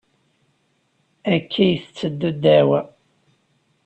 Akka i tetteddu ddeɛwa.